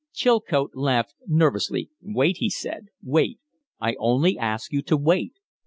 Chilcote laughed nervously. "Wait," he said. "Wait. I only ask you to wait.